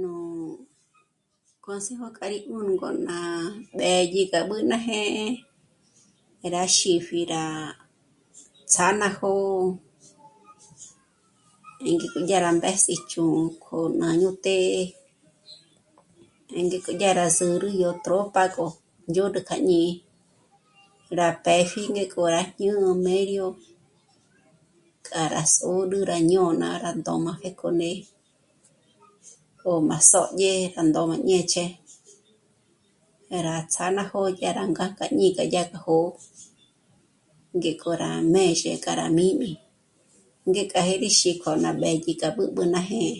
Nú consejo k'a rí 'ùnü ngó ná b'ědyi k'a b'ü ná jë́'ë, rá xípji rá... ts'â'a ná jó'o ngík'o dyà rá mbés'i ch'ū́'ū k'o má yó të́'ë. Ngék'o yá rá zǚrü yó tróp'ago ndzhôd'ü kja jñí'i, rá pë́pji ngé k'o rá jñù'u mério k'a rá zǚrü rá jñôna rá ndómajé k'o né'e, ngó má sódye k'a ndó má nêch'e, rá ts'â'a ná jó'o dyá rá ngájk'a jñíñi dyákja jó'o ngék'o rá má méxe k'a rá jmī́mi, ngék'a ngé rí xípje k'o ná b'ědyi k'a b'ǚb'ü ná jë́'ë